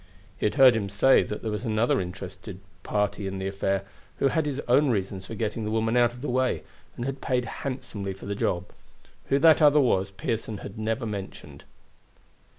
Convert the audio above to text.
He had heard him say that there was another interested in the affair, who had his own reasons for getting the woman out of the way, and had paid handsomely for the job. Who that other was Pearson had never mentioned.